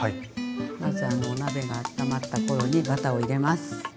まずあのお鍋があったまった頃にバターを入れます。